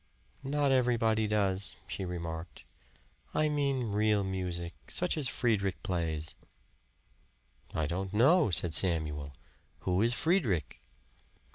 "Not everybody does," she remarked "I mean real music, such as Friedrich plays." "I don't know," said Samuel. "Who is Friedrich?"